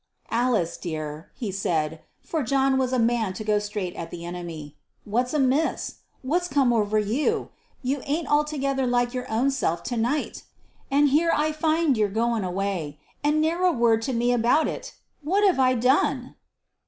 "Alice, my dear," he said for John was a man to go straight at the enemy, "what's amiss? What's come over you? You ain't altogether like your own self to night! And here I find you're goin' away, and ne'er a word to me about it! What have I done?"